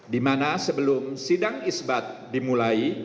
di mana sebelum sidang isbat dimulai